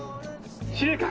「司令官！」。